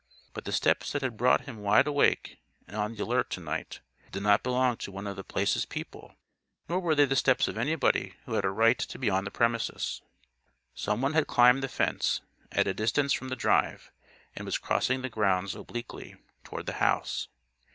But the steps that had brought him wide awake and on the alert to night, did not belong to one of The Place's people; nor were they the steps of anybody who had a right to be on the premises. Someone had climbed the fence, at a distance from the drive, and was crossing the grounds, obliquely, toward the house.